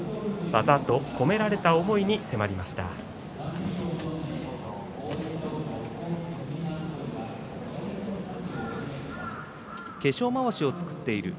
技と込められた思いに迫りました。